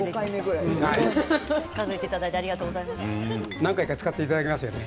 何回か使っていただけますね。